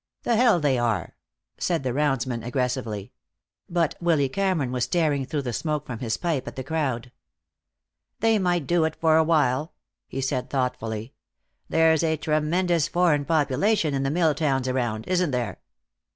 "The hell they are," said the roundsman aggressively. But Willy Cameron was staring through the smoke from his pipe at the crowd. "They might do it, for a while," he said thoughtfully. "There's a tremendous foreign population in the mill towns around, isn't there?